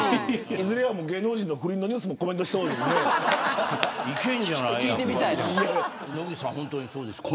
いずれは芸能人の不倫のニュースもコメントしそうですね。